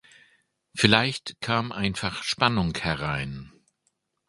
Vielleicht kam einfach Spannung herein.